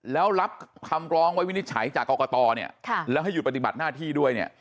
แล้วรับคำร้องวินิจฉัยจากกตแล้วให้หยุดปฏิบัติหน้าที่ด้วย